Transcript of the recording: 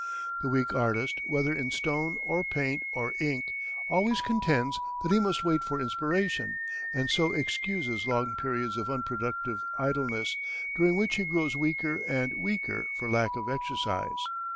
The weak artist, whether in stone or paint or ink, always contends that he must wait for inspiration, and so excuses long periods of unproductive idleness, during which he grows weaker and weaker for lack of exercise.